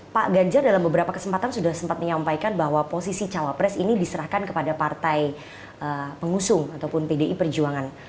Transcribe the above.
pak ganjar dalam beberapa kesempatan sudah sempat menyampaikan bahwa posisi cawapres ini diserahkan kepada partai pengusung ataupun pdi perjuangan